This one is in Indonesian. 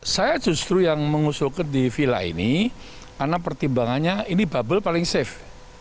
saya justru yang mengusulkan di villa ini karena pertimbangannya ini bubble paling safe